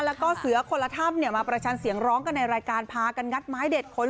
แล้วก็เสือคนละถ้ำมาประชันเสียงร้องกันในรายการพากันงัดไม้เด็ดค้น